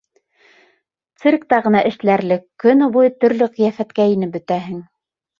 Циркта ғына эшләрлек, көнө буйы төрлө ҡиәфәткә инеп бөтәһең...